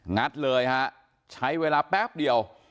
ัดเลยฮะใช้เวลาแป๊บเดียว